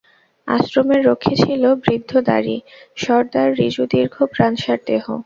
আশ্রমের রক্ষী ছিল বৃদ্ধ দ্বারী সর্দার, ঋজু দীর্ঘ প্রাণসার দেহ।